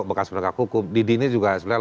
bekas pendekat hukum didi ini juga sebenarnya